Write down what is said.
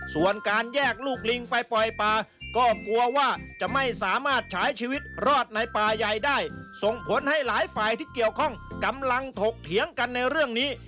ส่วนการแยกลูกลิงไปปล่อยป่าก็กลัวว่าจะไม่สามารถฉายชีวิตรอดในป่าใหญ่ได้ส่งผลให้หลายฝ่ายที่เกี่ยวข้องกำลังถกเถียงกันในเรื่องนี้